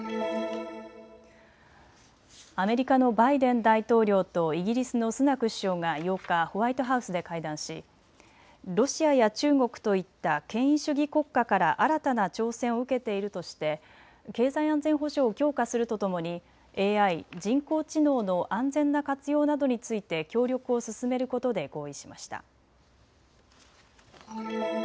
アメリカのバイデン大統領とイギリスのスナク首相が８日、ホワイトハウスで会談しロシアや中国といった権威主義国家から新たな挑戦を受けているとして経済安全保障を強化するとともにＡＩ・人工知能の安全な活用などについて協力を進めることで合意しました。